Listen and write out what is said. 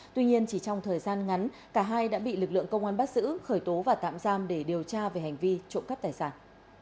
tuy nhiên chỉ trong thời gian ngắn cả hai đã bị lực lượng công an bắt giữ khởi tố và tạm giam để điều tra về hành vi trộm cắp tài sản